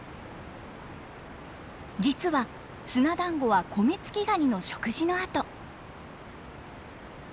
実は砂だんごはコメツキガニの食事の跡。